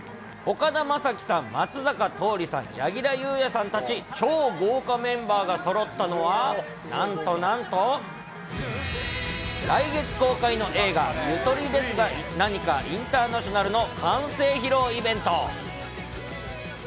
岡田将生さん、松坂桃李さん、柳楽優弥さんたち、超豪華メンバーがそろったのは、なんとなんと、来月公開の映画、ゆとりですがなにかインターナショナルの完成披露イベント。